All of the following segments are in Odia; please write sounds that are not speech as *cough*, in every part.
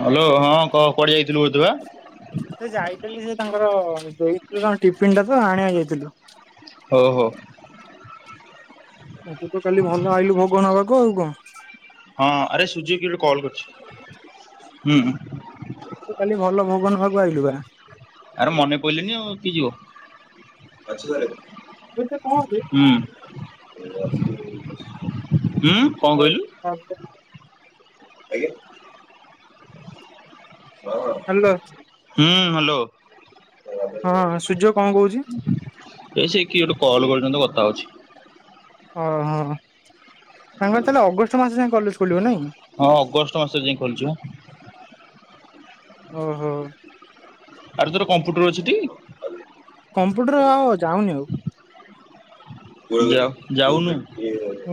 ହ୍ୟାଲୋ ହଁ କ କୁଆଡେ ଯାଇଥିଲୁ ବୋଧେ ବା? ସେ ଯାଇଥିଲି ସେ ତାଙ୍କର ଦେଇଥିଲେ ତାଙ୍କ ଟିଫିିନ ଟା ତ ଆଣିବାକୁ ଯାଇଥିଲୁ। ଓହୋ। ହଁ ତୁ ତ କାଲି ଭଲ ଆଇଲୁ ଭୋଗ ନେବାକୁ ଆଉ କଣ। ହଁ ଆରେ ସୁଚି କିଟା କଲ୍ କରିଛି ଉହୁଁ। ତୁ କାଲି ଭଲ ଭୋଗ ନବାକୁ ଆଇଲୁ ବା। ଆରେ ମନେ ପାଇଲାନି ଆଉ କିଏ ଯିବ। ହ୍ୟାଲୋ ହଁ ସୂର୍ଯ୍ୟ କଣ କହୁଛି? ହୁଁ ହୁଁ। କଣ ହଉ ହଉ। ଆଜ୍ଞା ହଁ ହଁ। ହୁଁ ହ୍ୟାଲୋ। ଏ ସେ କିଏ ଗୋଟେ କଲ୍ କରିଛନ୍ତି ତ କଥା ହେଉଛି। ଓହୋ ସାଙ୍ଗ ତାହେଲେ ଅଗଷ୍ଟ ମାସ ଯାଏଁ କଲେଜ ଖୋଲିବ ନାଇଁ? ହଁ ଅଗଷ୍ଟ ମାସରେ ଯାଇ ଖୋଲୁଛି ବା। ଓହୋ। ଆରେ ତୋର କମ୍ପ୍ୟୁଟର ଅଛି ଟି? କମ୍ପ୍ୟୁଟର ଆଉ ଯାଉନି ଆଉ। *inaudible* ଯାଉନୁ।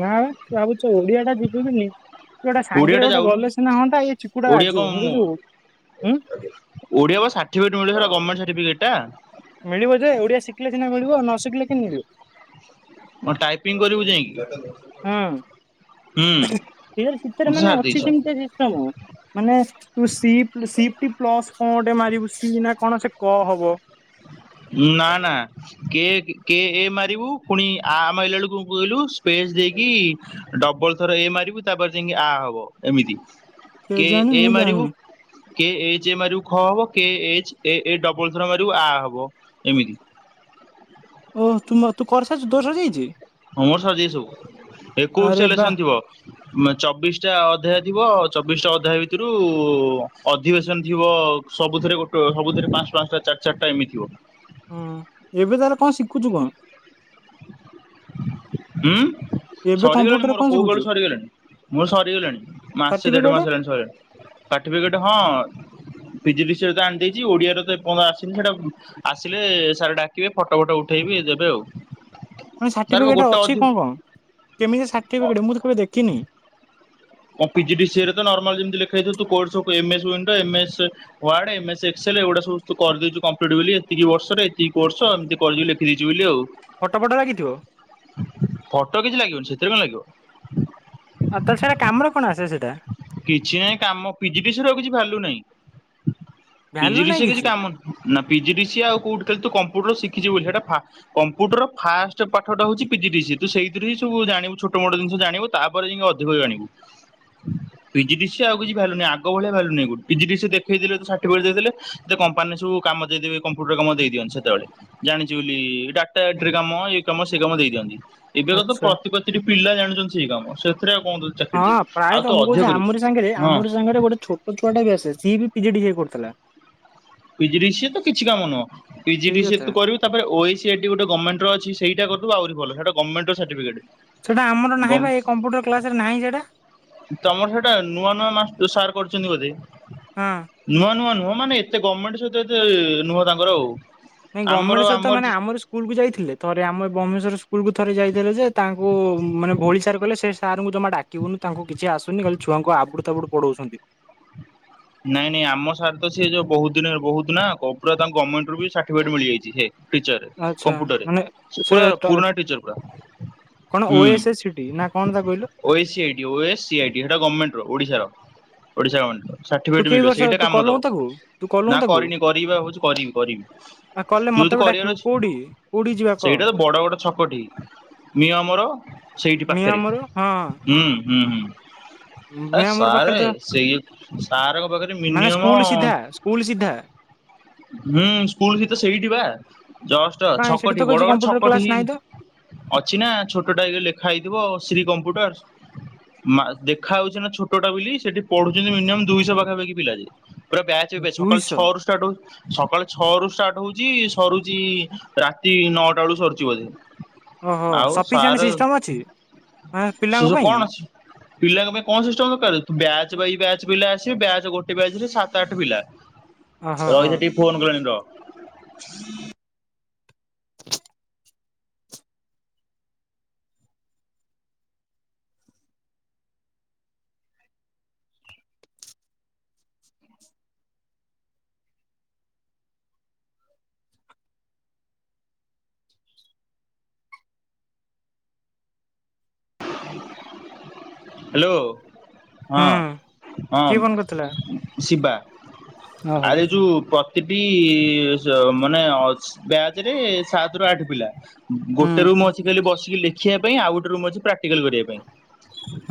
ନା ବା ଭାବୁଛି ଆଉ ଓଡିଆ ଟା ଯିବି କି ନାଇ। ସେ ଗୋଟେ ଓଡିଆ ଟା ସାଙ୍ଗରେ ଗୋଟେ ଯାଉନୁ ଗଲେ ସିନା ହନ୍ତା ଏଇ ଚିକୁଟା ଓଡିଆ ରାଜି କଣ ହଉନି ମୁଁ କହୁଛ ହୁଁ। ଓଡିଆ ପା ସାର୍ଟିଫିକେଟ ମିଳିଥିଲା ଗମେଣ୍ଟ ସାର୍ଟିଫିକେଟ ଟା? ମିଳିବ ଯେ ଓଡିଆ ଶିଖିଲେ ସିନା ମିଳିବ ନ ଶିଖିଲେ କେମିତି ମିଳିବ। ହଁ ଟାଇପିଂ କରିବୁ ଯାଇଁକି? ହଁ ସେ ଭିତରେ ମାନେ ଛାଡି ଅଛି ଦେଇଛ ସେମିତି ଶିଶଟମ୍। ମାନେ ତୁ ସି ସି ପ୍ଲସ କଣ ଗୋଟେ ମାରିବୁ ସି ନା କଣ ସେ କ ହବ। ନା ନା। କେ କେ ଏ ମାରିବୁ ପୁଣି ଆ ମରିଲା ବେଳକୁ କହିଲୁ ସ୍ପେସ ଦେଇକି ଡବଲ ଥର ଏ ମାରିବୁ ତାପରେ ଯାଇକି ଆ ହବ ଏମିତି କେଜାଣି ଏ ମୁଁ ମାରିବୁ। ଜାଣିନି କେ ଏଚ ଏ ମାରିବ ଖ ହବ କେ ଏଚ ଏ ଏ ଡବଲ ଥର ମାରିବ ଆ ହବ ଏମିତି। ଓହ ତୁ ତୁ କରସାରିଛୁ ତୋର ସରି ଯାଇଛି? ହଁ ମୋର ସରିଯାଇଛି ସବୁ ଏକ‌ଉସି ଟା ଆରେ ବା ଲେସନ ଥିବ। ଚବିଶଟା ଅଧ୍ୟାୟ ଥିବ ଚବିଶଟା ଅଧ୍ୟାୟ ଭିତରୁ ଅଧିବେଶନ ଥିବ। ସବୁଥିରେ ଗୋଟେ ସବୁଥିରେ ପାଞ୍ଚ ପାଞ୍ଚଟା ଚାରି ଚାରିଟା ଏମିତିି ଥିବ। ହୁଁ ଏବେ ତାହେଲେ କଣ ଶିଖୁଛୁ କଣ? ହୁଁ ଏବେ ସରିଗଲାଣି କମ୍ପ୍ୟୁଟରରେ ମୋର କଣ କୋଉ ଶିଖୁଛୁ? କାଳୁ ସରିଗଲାଣି ମୋର। ମୋର ସରିଗଲାଣି ମାସେ ଦେଢ ସାର୍ଟିଫିକେଟ ମାସେ ହେଲାଣି ସଇଲାଣି ସାଠିପିକେଟ୍ ହଁ। ପିଜି ବିଷୟରେ ରେ ଆଣି ଦେଇଚି ଓଡିଆରେ ତ ଏର୍ଯ୍ୟନ୍ତ ଆସିନି ସେଟା ଆସିଲେ ସାର୍ ଡାକିବେ ଫଟୋ ଫୁଟ ଉଠେଇ କି ଦେବେ ଆଉ। ତମ ସାର୍ ବା ସାର୍ଟିଫିକେଟ୍ ରେ ଗୋଟେ ଅଛି ଅଧି କଁ କଁ କେମିତି ସାର୍ଟିଫିକେଟ୍ ମୁଁ ତ କେବେ ଦେଖିନି? ପିଜିଡିସିଏରେ ତ ନର୍ମାଲ୍ ଯେମିତି ଲେଖା ହେଇଥିବ ତୁ course of M S *inaudible* Wade M S Excel ଏଗୁଡା ସବୁ ତୁ କରି ଦେଉଚୁ କମ୍ପ୍ଲିଟ୍ ବେଲି ଏତିକି ବର୍ଷ ରେଏତିକି କୋର୍ସ ଏମିତି କଲି ଲେ ଦେଇଚୁ ବେଲି ଆଉ। ଫଟୋ ଫଟ ଲାଗିଥିବ? ଫଟୋ କିଛି ଲାଗିବନି ସେଥିରେ କଁ ଲାଗିବ? ଆଉ ତା ସେଟା କାମରେ କଣ ଆସେ ସେଟା? କିଛି ନାଇଁ କାମ ପିଜିକେସନ୍ ରେ କିଛି ଭ୍ୟାଲୁ ନାଇଁ *inaudible* ଭ୍ୟାଲୁ ନାଇଁ କିଛି କାମ ନା ପିଜି ଡି ସି ଆଉ କୋଉଠି ଖାଲି ତୁ କମ୍ପୁଟର ଶିଖିଚୁ ବୋଲି ସେଇଟା ଫା କମ୍ପ୍ୟୁଟର ଫାଷ୍ଟ ପାଠଟା ହଉଚି ପିଜି ଡିସି ତୁ ସେଇଥିରୁ ହିଁ ସବୁ ଜାଣିବୁ ଛୋଟ ମୋଟ ଜିନଷ ଜାଣିବୁ। ତାପ ରେ ଯାଇଁ କିଅଧିକ ଜାଣିବୁ। ପିଜିଡ଼ିସି ଆଉ କିଛି ଭ୍ୟାଲୁ ନାଇଁ ଆଗଭଳିଆ ଭ୍ୟାଲୁ ନାଇଁ ପିଜିଡିସି ଦେଖେଇଦେଲେ ଗୋ ସାଠିପିକେଟ୍ ଦେଇଦେଲେ। ଏତେ କମ୍ପାନୀ ସବୁ କାମ ଦେଇଦେବେ କମ୍ପ୍ୟୁଟର କାମ ଦେଇଦିଅନ୍ତି ସେତେବେଳେ। ଜାଣିଛି ବୋଲି ଡାଟା ଏଣ୍ଟ୍ରି କାମ ଇଏ କାମ ସେ କାମ ଦେଇ ଦିଅନ୍ତି। ଏବେ କା ତ ଆଚ୍ଛା। ପ୍ରତି ପ୍ରତିଟି ପିଲା ଜାଣୁଚନ୍ତି ସେଇ କାମ ସେଥିରେ ଆଉ କଁ ତୋ ଇଛା? ହଁ ପ୍ରାଏତ ମୁଁ କହୁଚି ଆମରି ସାଙ୍ଗରେ ହଁ। ଆମ ସାଙ୍ଗରେ ଗୋଟେ ଛୋଟ ଛୁଆ ଟା ବି ଆସେ ସିଏ ବି ପିଜିଡିସିଏ କରୁଥିଲା। ପିଜି ଡ଼ି ସିଏ ତ କିଛି କାମ ନୁହଁ ପିଜି ସେଇ ଡି ସିଏ କଥା ତୁ କରିବୁ। ତା ପରେ ଓ ଏ ଏସି ଏଡି ଗୋଟେ ଗର୍ମେଣ୍ଟର ଅଛି ସେଇଟା କରିଦବୁ ଆହୁରିଭଲ ସେଟା ଗର୍ମେଣ୍ଟର ସାଟିଫିକେଟ୍। ସେଇଟା ଆମର ନାହିଁ ବା ଏଇ କମ୍ପୁଟର କ୍ଲାସ୍ ରେ ନାହିଁ ସେଟା। ତମର ସେଇଟା ନୂଆ ନୂଆ ମାସ୍ ସାର୍ କରୁଛନ୍ତି ବୋଧେ? ହଁ। ନୂଅ ନୂଅ ନୁହଁ ମାନେ ଏତେ ଗର୍ମେଣ୍ଟ ସେଇଟା ଯେ ନୁହଁ ତାଙ୍କର ଆଉ। ନାଇଁ ଆମର ଗର୍ମେଣ୍ଟ୍ ସହିତ ଆମର ମାନେ ଯି ଆମରି ସ୍କୁଲ କୁ ଯାଇଥିଲେ ଥରେ ଆମ *inaudible* ସ୍କୁଲ କୁ ଥରେ ଯାଇଥିଲେ ଯେ ତାଙ୍କୁ ମାନେ *inaudible* ସାର୍ କଲେ ସେ ସାର୍ ଙ୍କୁ ଜମା ଡାକିବୁନି ତାଙ୍କୁ କିଛି ଆସୁନି ଖାଲି ଛୁଆଙ୍କୁ ଆବୁଡୁ ତାବୁଡୁ ପଢଉସନ୍ତି। ନାଇଁ ନାଇଁ ଆମ ସାର୍ ତ ସିଏ ଯୋଉ ବହୁ ଦିନ ବହୁତ୍ ନା ଗପୁରା ତାଙ୍କ ଗର୍ମେଣ୍ଟରୁ ବି ସାର୍ଟିଫିକେଟ୍ ମିଳିଯାଇଚି ଯେ। ଟିଚରରେ ଆଚ୍ଛା କମ୍ପ୍ୟୁଟର ରେ ମାନେ ସେ ପୁରା ଟ ପୁରୁଣା ଟିଚର୍ ପୁରା। କଣ ଓ ଏସ୍ ସିଟି ନା କଣ ତା କଇଲୁ? ଓଏସ୍ ସିଆଡି ଓଏସ୍ ସି ଆଡି ସେଟା ଗର୍ମେଣ୍ଟର ଓଡ଼ିଶାର ଓଡ଼ିଶା ଗର୍ମେଣ୍ଟର। ତୁ ସାର୍ଟିଫିକେଟ୍ କେଇ ମିଳିବ ବର୍ଷ ସେଇଟା ତୁ କାମ କଲୁଣୁ ଦବ ତାକୁ ତୁ କଲୁଣୁ ନା ତାକୁ କରିନି କରିବି ଭାବୁଚି କରିବି କରିବି। ଆଉ କଲେ ତୁ ମତେ ଯଦି ବି କରିଆର ଡାକିବୁ ଅଛି କୋଉଠି କୋଉଠି ଯିବା କହ ସେଇଟା ବଡ ଗଡ ଛକଠି। ମିଓମୋର ସେଇଠି ପାଖରେ ମିଆମର ହଁ ହୁଁ ହୁଁ ହୁଁ। ଆ ମିଆମର ପାଖରେ ସାରେ ତ ସେଇ ସାରଙ୍କ ପାଖରେ ମାନେ ମିନିୟମ ସ୍କୁଲ ସିଧା ସ୍କୁଲ ସିଧା ହୁଁ ସ୍କୁଲ ବି ତ ସେଇଠି ବା ଜଷ୍ଟ କାଇଁ ସେଠି ତ ଛକଟି କିଛି ବଡ ଗଡ କମ୍ପ୍ୟୁଟର ଛକଠି କ୍ଲାସ ନାହିଁ ତ ହେଇଚି। ଅଛି ନା ଛୋଟ ଟେ ଲେଖା ହେଇଥିବ ଶ୍ରୀ କମ୍ପ୍ୟୁଟର୍। ମା ଦେଖା ଯାଉଚି ନା ଛୋଟଟେ ବୋଲି ସେଠି ପଢୁଚନ୍ତି ମିନିୟମ୍ ଦୁଇଶହ ପାଖାପାଖି ପିଲା ପୁରା ବ୍ୟାଚ୍ ଏ ବ୍ୟାଚ୍ ସକାଳ ଦୁଇଶହ ଛଅରୁ ଷ୍ଟାଟ ହଉଚି। ସକାଳେ ଛଅ ରୁ ଷ୍ଟାଟ୍ ହଉଚି ସରୁଚି ରାତି ନଅଟା ବେଳୁ ସରୁଚି ବୋଧେ। ଓହୋ ଆଉ ସଫିସିଏଣ୍ଟ ସାରେ ସିଷ୍ଟମ ଅଛି ମାନେ ପିଲାଙ୍କ *inaudible* ପାଇଁ? କଣ ଅଛି? ପିଲାଙ୍କ ପାଇଁ କଣ ସିଷ୍ଟମ ଦରକାର୍ ବ୍ୟାଚ ବାଇ ବ୍ୟାଚ୍ ପିଲା ଆସିବେ ବ୍ୟାଚ୍ ଗୋଟେ ବ୍ୟାଚ୍ ରେ ସାତ ଆଠ ପିଲା ଓହୋ ହୋ ରହିଥା ଟି ଫୋନ୍ କଲେଣି ରହ। ହାଲୋ ହଁ ହୁଁ ହଁ କିଏ ଫୋନ କରିଥିଲା? ଶିବା। ଓହୋ ଆରେ ଯୋଉ ପ୍ରତିଟି ମାନେ ଅ ବ୍ୟାଚରେ ସାତେରୁ ଆଠ ପିଲା ହୁଁ ଗୋଟେରୁ ମୁଅ ବସିକି ଲେଖିବା ପାଇଁ ଆଉ ଗୋଟେ ରୁମ୍ ଅଛି ପ୍ରାକ୍ଟିକାଲ କରିବା ପାଇଁ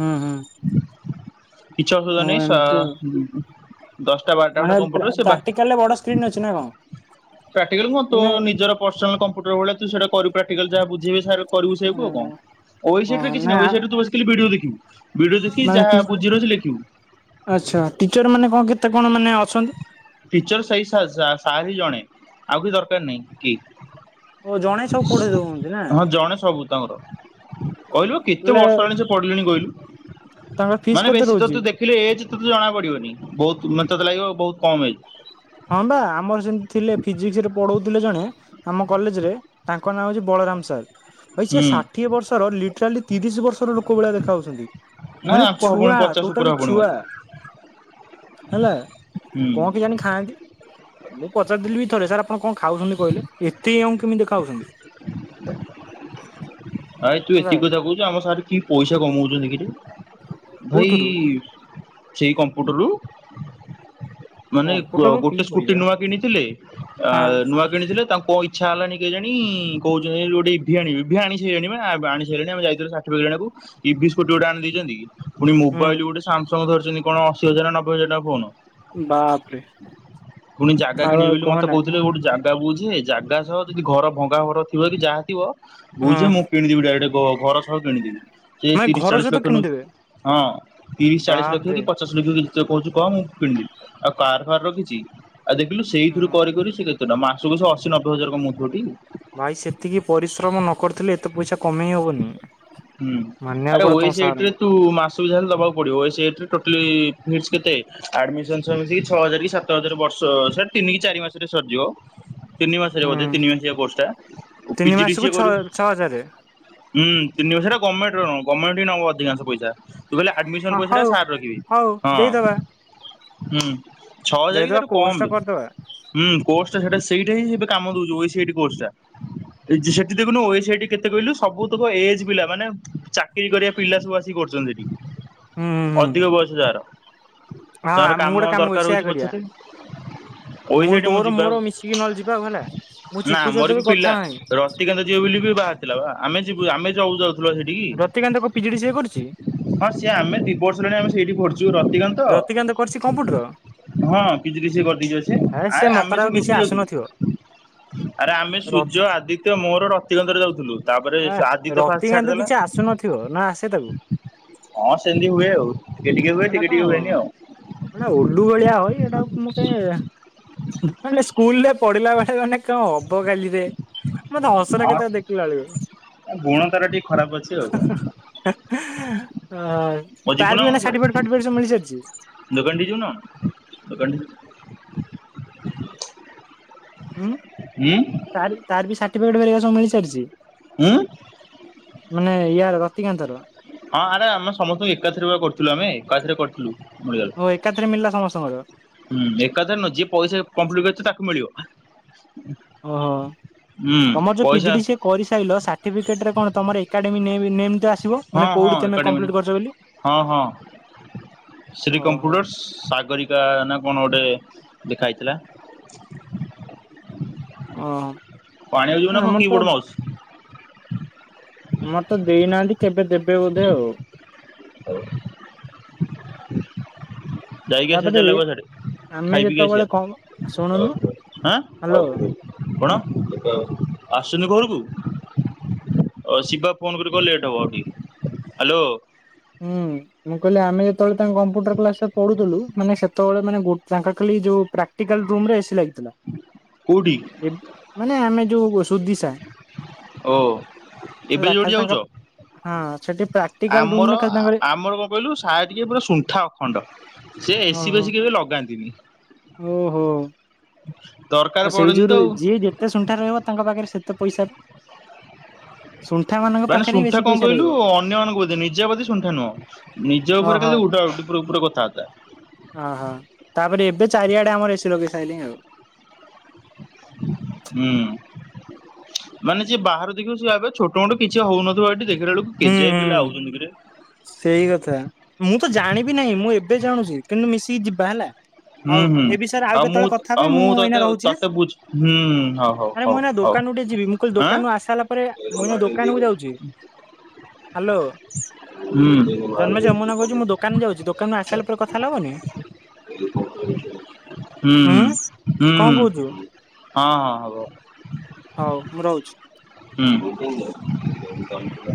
ହୁଁ ହୁଁ। କିଛି ଓ ଅସୁବିଧା ନାହିଁ ଏମିତି ଆଉ। ସ ଦଶଟା ବାରଟା ଖଣ୍ଡେ ମାନେ କମ୍ପ୍ୟୁଟର ସେବା ପ୍ରାକ୍ଟିକାଲରେ ବଡ ସ୍କ୍ରିନ୍ ଅଛି ନା କଣ ପ୍ରାକ୍ଟିକାଲ କଁ ତୋ ମାନେ ନିଜର ପର୍ସନାଲ କମ୍ପୁଟର ଭଳି କରିବୁ ପ୍ରଟିକାଲ ଯାହା ବୁଝିଇବେ କରିବୁ ସେଇଆକୁ ଆଉକଁ ଓଏସିଟ ଓହୋ କିଛି ନାହିଁ ଓଏସିଟ୍ ତୁବେ ଥିଲେ ବିଡ଼ିଓ ଦେଖିବୁ ଭିଡିଓ ଦେଖି ଯାହା ମାନେଟି ବୁଝିର ଅଛି ଲେଖିବୁ ଇଛା ଟିଚର୍ ମାନେ କଁ କେତେ କଣ ମାନେ ଅଛନ୍ତି? ଟିଚର୍ ସେଇ ସା ସାରିହିଁ ଜଣେ ଆଉ କି ଦରକାର୍ ନାହିଁ କି ଓ ଜଣେ ସବୁ ପଢେଇ ଦଉଛନ୍ତି ନା? ହଁ ଜଣେ ସବୁ ତାଙ୍କର। କହିଲୁ କେତେ ବୋଲେ ବର୍ଷ ହେଲାଣି ସେପଢ଼ିଲେନି ତାଙ୍କର କହିଲୁ ଫିସ୍ ମାନେ କେତେ ବେଶୀ ରହୁଛି? ତତେ ଦେ କିଲେ ଏଜ୍ ତତେ ଜଣା ପଡ଼ିବନି ବହୁତ୍ ମନେ ତତେ ଲାଗିବ ବହୁତ୍ କମ୍ ଏଜ୍ ହଁ ବା ଆମର ସେମିତି ଥିଲେ ଫିଜିକ୍ସରେ ପଢଉଥିଲେ ଜଣେ ଆମ କଲେଜରେ ତା ତାଙ୍କ ନାଁ ହେଉଚି ବଳରାମ ସାର୍ ଭାଇ ସେ ହୁଁ ଷାଠିଏ ବର୍ଷର ଲିଟାଲି ତିରିଶ ବର୍ଷର ଲୋକ ଭଳିଆ ଦେଖା ହାଉଚନ୍ତି। ନା ମାନେ ଆଙ୍କୁ ହବଣି ଛୁଆ ପଚାଶ ଉପରେ ଟୋଟାଲି ହବଣି ଛୁଆ। ବୋଧେ ହୁଁ। ହେଲା କଁ କେଜାଣିି ଖାଆନ୍ତି ମୁଁ ପଚାରି ଥିଲିବି ଥରେ ସାର୍ ଆପଣ କଁ ଖାଉଚନ୍ତି କହିଲେ ଏତେ ୟଙ୍ଗ କେମିତି ଦେଖାହୋଉଚନ୍ତି *inaudible* ଭାଇ ତୁ ହେଲା ଏତିକି କଥା କହୁଚୁ ଆମ ସାର୍ କି ପଇସା କମଉଚନ୍ତି କିରେ ଭାଇ କୋଉଥିରୁ ସେଇ କମ୍ପ୍ୟୁଟରରୁ। ମାନେ କମ୍ପୁଟରରୁ କି ଗୋଟେ ସ୍କୁଟି ପଇସା ନୂଆ କିଣିଥିଲେ ହଁ ନୂଆ ଅଁ କିଣିଥିଲେ ତାଙ୍କ ଇଚ୍ଛା ହେଲାନି କେଜାଣି କହୁଚନ୍ତି ଗୋଟେଇଭି ଆଣିବି ଆଣି ସାଇଲେଣି ଆଣି ସାଇଲେଣି ଆମ ଯାଇଥିଲୁ ସାର୍ଟିଫିକେଟ୍ ଆଣିବାକୁ ଇଭି ସ୍କୁଟି ଗୋଟେ ଆଣି ଦେଇଚନ୍ତି ପୁଣି ମୋବାଇଲ୍ ହୁଁ ଗୋଟେ ସାମସଙ୍ଗ ଧରିଚନ୍ତି କଣ ଅଶୀ ହଜାରେ ନବେ ହଜାରେ ଟଙ୍କା ଫୋନ୍ ବାପ୍ରେ୍ ପୁଣି ଜାଗା କିଣିବେ ବୋଲି ମତେ କହୁଥିଲେ କୋଉଠି ଜା ଜାଗା ବୁଝେ ଜାଗା ସହ ଯଦି ଭଙ୍ଗା ଘର ଥିବକି ଯାହା ଥିବ ହଁ ବୁଝେ ମୁଁ କିଣିଦିବି ଡାଇରେକ୍ଟ ଗ ଘର ସହ କିଣିଦେବୀ। ସେ ନାଇଁ ତିରିଶି ଘର ଚାଳିଶି ସହିତ ଲକ୍ଷ ନଉ କିଣିଦେବେ ହଁ ତିରିଶି ଚାଳିଶି ବାପରେ ଲକ୍ଷକି ପ ସିଏ ନିଜେ କହ ମୁଁ କିଣିବି ଆଉ କାର୍ ଫାର୍ ରଖିଚି ଆଉ ଦେଖିଲୁ ହଁ। ସେଇଥିରୁ କରି କରି ସେ କେତେ ଟଙ୍କା ମାସକୁ ସେ ଅଶୀ ନବେ ହଜାରେ କମଉଥିବଟି ଭାଇ ସେତିକି ପରିଶ୍ରମ ନକରିଥିଲେ ଏତେ ପଇସା କମେଇ ହବନି। ମାନିବାକୁ ପଡ଼ିବ ତମ ସାରକୁ। କୁ ମାସ୍ ଜା ହେଲେ ଦବାକୁ ପଡ଼ିବ ଏ ସିଟ୍ ରେ ଟୋଟାଲି ଫିସ୍ କେତେ ଆଡ଼ିମିଶନ୍ ସବୁମିସିକି ଛଅ ହଜାରେକି ସାତ ହଜାରେ ବର୍ଷ ସେଟା ତିନିକି ଚାରି ମାସରେ ସରିଯିବ ତିନି ମାସରେ ବୋଧେ ହୁଁ ତିନି ମାସିଆ ପୋଷ୍ଟା ତିନି ପିଜି ଡି ମାସକୁ ସିଏ ଛଅ କରୁ ଛଅ ହଜାରେ ହଁ ତିନିବର୍ଷଟା ଗମେଣ୍ଟେର ଗାମେଣ୍ଟେହିଁ ନବ ଅଧିକାଂଶ ପଇସା। ତୁ କହିଲେ ହଁ ଆଡ଼ମିସନ୍ ପଇସାଟା ହଉ। ସାର୍ ରଖିବେ ହଉ ଦେଇଦବା ହଁ। ହୁଁ ଛଅ ହଜାରେକି ଦେଇଦବା ତାଠୁ କୋର୍ସ କମ୍ ଟା କରିଦବା ହୁଁ କୋର୍ସଟା ସେଟା ସେଇଟାହିଁ କାମ ଦଉଚି ଓୟେ ସିର୍ଟ କୋର୍ସଟା। ସେଠି ଦେଖୁନୁ ଓଏସିର୍ଟ କେତେ କହିଲୁ ସବୁତକ ଏଜ୍ ପିଲା ମାନେ ଚାକିରି କରିବା ପିଲା ସବୁ ଆସିକି କରୁଚନ୍ତି ସେଟି। ହୁଁ ହୁଁ ହୁଁ ଅଧିକ ବୟସ ଯାହାର। ହଁ ତାଙ୍କର ମୁଁ ଗୋଟେ କାମ ଦରକାର କହୁଛି ସେଇଆ ହଉଛି କରିବା। ପଛରେ ଓଇ ସି ମୁଁ ଆଇ ଟି ତୋର ଯିବା ମୋର ମିଶିକି ନହେଲେ ଯିବା ଆଉ ହେଲା ମୁଁ ଚିକୁ ସହିତ ବି କଥା ହେମି। ତିକା ଯିବେ ବୋଲି ବି ବାହାରିଥିଲା ବା ଆମେ ଯୁ ଆମେ ଯିବାକୁ ଯାଉଥିଲ ସେଠିକି। ରତିକାନ୍ତ କଣ ପିଜିଡି ସିଏ କରୁଛି ହଁ ସିଏ ଆମେ ଦି ବର୍ଷ ହେଲାଣି ସେଇଠି ପଢ଼ୁଛୁ। ରତିକାନ୍ତ ରତିକାନ୍ତ କରିଛି କମ୍ପ୍ୟୁଟର ହଁ ପିଜି ଡିଶି କରିଦେଇଛି ପା ସିଏ। ହେ ସେ ଆରେ ହଁ ଆମେ ସବୁ ମକରାକୁ କିଛି ମିଶିକି ଆସୁନଥିବ। ଯାଉଥିଲୁ। ଆରେ ଆମେ ର ସୂର୍ଯ୍ୟ ଆଦିତ୍ୟ ମୋର ରତିକାନ୍ତ ର ଯାଉଥିଲୁ। ତାପରେ ଏ ସେ ଆଦିତ୍ୟ ଫାଷ୍ଟ ରତିକାନ୍ତକୁ ଛାଡିଦେଲା। କିଛି ଆସୁନଥିବ ନା ଆସେ ତାକୁ ହଁ ସେମିତି ହୁଏ ଆଉ। ଡେଲି କେବେ, ଏଟା ଟିକେ କଣ ଟିକେ ହୁଏନି ଆଉ। ଏଟା ଉଲୁ ଭଳିଆ ହୋଇ ଏଟା ମତେ ମାନେ ସ୍କୁଲରେ ପଢିଲା ବେଳେ ମାନେ କଣ ହବ ଗାଲିରେ ମତେ ହସ ଲାଗେ ତାକୁ ଦେଖିଲା ବେଳକୁ। ତା ଗୁଣ ତାର ଟିକେ ଖରାପ ଅଛି। ଆଉ *unintelligible* ଆଉ ତାର ଯିବୁ ବି ଏଇନା ସାର୍ଟିଫିକେଟ ଫାଟିପିକେଟ ସବୁ ମିଳି ସାରିଛି। ଦୋକାନଟି ଦେଇ ଯିବୁନା କଣ? ଦୋକାନ ଟି ଉଁ ହୁଁ। ତାର ତାର ବି ସାର୍ଟିଫିକେଟ୍ ହାରିକା ସବୁ ମିଳି ସାରିଛି। ଉଁ। ମାନେ ୟାର ରତିକାନ୍ତର। ହଁ ଆରେ ଆମେ ସମସ୍ତଙ୍କୁ ଏକାଥରେ କରିଥିଲୁ ଆମେ ଏକାଥରେ କରିଥିଲୁ। ମିଳିଗଲା। ଓ ଏକାତ୍ରରେ ମିଳିଲା ସମସ୍ତଙ୍କର? ହୁଁ ଏକଥାରେ ନୁହ ଯିଏ ପଇସା କମ୍ପ୍ଲିଟ୍ କରିଛି ତାକୁ ମିଳିବ। *unintelligible* ଓହୋ। ହୁଁ ତମର ଯୋଉ ପଇସା ପିଜିଡି ସେ କରିସାରିଲ ଷାଠି ସଟିିଫିକେଟ କଣ ତମର ଏକାଡେମ ନେମ୍, ନେମ୍ ଆ ଥିବ। ହଁ ହଁ କୋଉଠି ତମେ ଏକାଡେମୀ କମ୍ପ୍ଲିଟ୍ କରିଛ ବୋଲି? ହଁ ହଁ ଶ୍ରୀ ଓହୋ କମ୍ପ୍ୟୁଟର୍ସ ସାଗରିକା ନା କଣ ଗୋଟେ ଲେଖା ହେଇଥିଲା। ଓହୋ। ଆଣି ଆକୁ ଆମର ତ *unintelligible* ବୋର୍ଡ ମାଉସ ମତେ ଦେଇନାହାନ୍ତି କେବେ ଦେବେ ବୋଧେ ଆଉ। *unintelligible* ଯାଇକି ସେ ତାପରେ ବି *unintelligible* ଆମେ ଖାଇ ପିଇକି ଯେତେବେଳେ କଣ ଶୁଣୁନୁ ଆସିବା। ଆ, ହ୍ୟାଲୋ। ହଁ। କଣ ଆସୁଛନ୍ତି ଘରକୁ? ହ ଶିବା ଫୋନ୍ କରିକି କହ ଲେଟ୍ ହେବ। ହାଲୋ। ହୁଁ। ମୁଁ କହିଲି ଆମେ ଯେତେବେଳେ ତାଙ୍କ କମ୍ପ୍ୟୁଟର କ୍ଲାସ ରେ ପଢୁଥିଲୁ ମାନେ ସେତେବେଳେ ମାନେ ତାଙ୍କର ଖାଲି ଯୋଉ ପ୍ରାକ୍ କାଲ୍ ରୁମରେ ଏସି ଲାଗିଥିଲା। କୋଉଠି ମାନେ ଆମେ ଯୋଉ ସୁୁଧିଶା ଓ ଏବେ ହେଲା ଯୋଉଠି ଖାଲି ତାଙ୍କ ଯାଉଛ? ହଁ ସେଠି ପ୍ରାଟିକାଲ୍ ରୁମ୍ ଆମର ଆମର କଣ କହିଲୁ ସାର ଟିକେ ପୁରା ଶ ସୁଣ୍ଠା ଅଖଣ୍ଡ ସେ ଏସିି ଓହୋ ଫେସିି କେବେ ଲଗାନ୍ତିନି। ଓହୋ। ଦରକାର ଆଉ ସେଇ ପଡେନି ଯୋଉ ତ ରୁ ଆଉ। ଯିଏ ଯେତେ ସୁଣ୍ଠା ରହିବ ତାଙ୍କ ପାଖରେ ସେତେ ପଇସା ହେବ। ଶୁଣ୍ଠା ମାନ ମାନେ ଶୁଣ୍ଠା କଣ କହିଲୁ ଅନ୍ୟମାନାନଙ୍କୁ କୋ ନିଜା ବତି ସୁଣ୍ଠା ନୁହଁ। ନିଜ ଉପରେ ଖାଲି ଉଡ଼ା ଉଡି଼ ଉପୁରେ ଉପୁରେ କଥାଆର୍ତ୍ତା। ଅହଁ, ତାପରେ ଏବେ ଚାରିଆଡେ ଆମର ଏସି ଲଗେଇ ସାଇଲେଇଁ ଆଉ। ହୁଁ। ମାନେ ଯିଏ ବାହାରୁ ଦେଖିବ, ସିଏ ଭାବିବ ଛୋଟ ମୋଟ କିଛି ହଉନଥିବ ଏଠି, ଦେଖିଲାଳୁକୁ ହୁଁ, ହୁଁ। ସେଇ କଥା। ମୁଁ ତ ଜାଣିବି ନାହିଁ, ମୁଁ ଏବେ ଜାଣୁଛି, କିନ୍ତୁ ମିଶିକି ଯିବା ହେଲା। ହୁଁ ହଉ ହୁଁ ଏ ବିଷୟରେ ଆଉ ମୁଁ କେତେବେଳେ କଥା ଆଉ ହେବା, ମୁଁ ତତେ ଏଇନା ରହୁଛି। ଆଁ! ତତେ ବୁଝ ହୁଁ ହଉ ହଉ ଆରେ ହଉ ମୁଁ ଏଇନା ହଉ ଦୋକାନକୁ ଟିକେ ଯିବି। ମୁଁ କଇଲି ଆଁ। ହୁଁ। ଦୋକାନରୁ ଆସି ସାଇଲା ପରେ, ମୁଁ ହୁଁ ଏଇନା ଦୋକାନ କୁ ଯାଉଛି। ହ୍ୟାଲୋ, ହୁଁ ହୁଁ ଜନ୍ମେ ଯମୁନା କହୁଛି, ମୁଁ ଦୋକାନ ଯାଉଛି। ଦୋକାନରୁ ଆସି ସାର୍ ଲା ପରେ କଥା ହେଲେ ହବନି? ହୁଁ, ହୁଁ, ଉଁ ହୁଁ, ହୁଁ, କଣ କହୁଛୁ? ହଁ, ହ, ହବ। ହଉ, ମୁଁ ରହୁଛି। ହୁଁ।